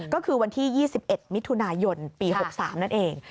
ก็คือวันที่๒๑มิถุนายนปี๖๓นั่นเอง